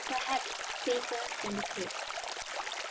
"Perhaps safer than the cliff."